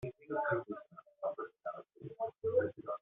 Maɣef ay tebɣa ad ḥebseɣ?